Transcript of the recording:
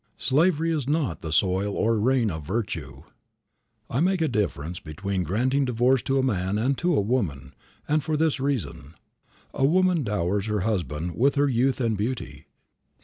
Slavery is not the soil or rain of virtue. I make a difference between granting divorce to a man and to a woman, and for this reason: A woman dowers her husband with her youth and beauty.